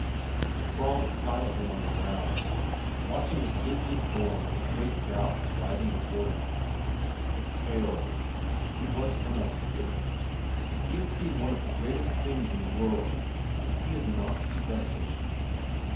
He sprawled silently on the ground, watching the grisly form of a great doubt rising before him. He had failed. He was inarticulate. He had seen one of the greatest things in the world, and he had not expressed it.